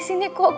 oh ini untuk kamu